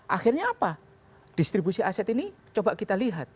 akhirnya apa distribusi aset ini coba kita lihat